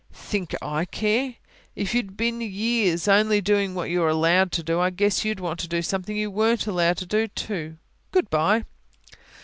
"Think I care? If you'd been years only doing what you were allowed to, I guess you'd want to do something you weren't allowed to, too. Good bye!"